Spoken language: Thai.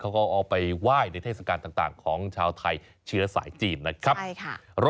เขาก็เอาไปไหว้ในเทศกาลต่างของชาวไทยเชื้อสายจีนนะครับ